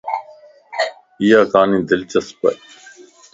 ايا ڪاني دلچسپ